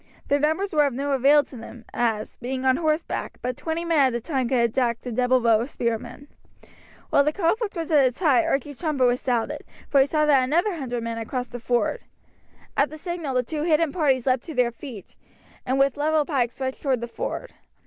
Their numbers were of no avail to them, as, being on horseback, but twenty men at a time could attack the double row of spearmen. While the conflict was at its height Archie's trumpet was sounded, for he saw that another hundred men had now crossed the ford. At the signal the two hidden parties leapt to their feet, and with levelled pikes rushed towards the ford.